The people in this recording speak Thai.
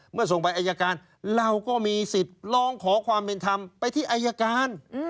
ส่งไปอายการเราก็มีสิทธิ์ร้องขอความเป็นธรรมไปที่อายการ